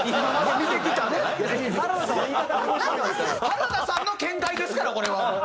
原田さんの見解ですからこれはもう。